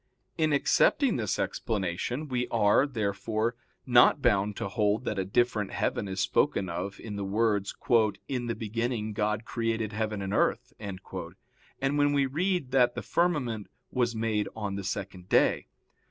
In accepting this explanation we are, therefore, not bound to hold that a different heaven is spoken of in the words: "In the beginning God created heaven and earth," and when we read that the firmament was made on the second day.